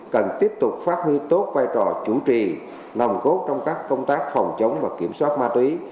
cần tiếp tục phát huy tốt vai trò chủ trì nồng cốt trong các công tác phòng chống và kiểm soát ma túy